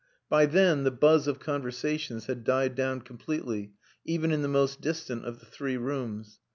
By then the buzz of conversations had died down completely, even in the most distant of the three rooms.